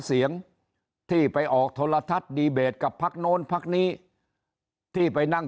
เสียงที่ไปออกโทรทัศน์ดีเบตกับพักโน้นพักนี้ที่ไปนั่ง